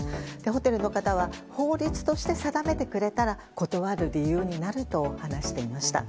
ホテルの方は法律として定めてくれたら断る理由になると話していました。